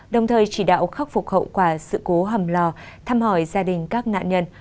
đồng thời chỉ đạo khắc phục hậu quả sự cố hầm lò thăm hỏi gia đình các nạn nhân